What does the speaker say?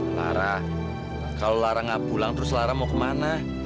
lara kalau lara gak pulang terus lara mau kemana